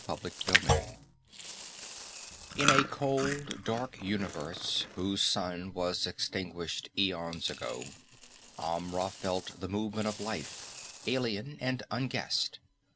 In a cold dark universe, whose sun was extinguished eons ago, Amra felt the movement of life, alien and un guessed.